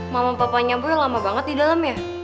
mama papanya gue lama banget di dalam ya